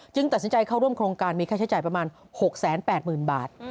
ตัดสินใจเข้าร่วมโครงการมีค่าใช้จ่ายประมาณ๖๘๐๐๐บาท